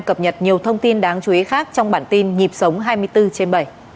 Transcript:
cập nhật nhiều thông tin đáng chú ý khác trong bản tin nhịp sống hai mươi bốn trên bảy